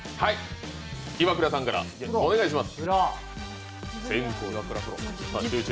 イワクラさんからお願いします。